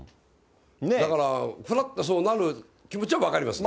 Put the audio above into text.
だから、ふらってそうなる気持ちは分かりますね。